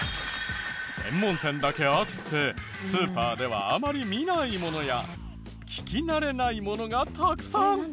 専門店だけあってスーパーではあまり見ないものや聞き慣れないものがたくさん！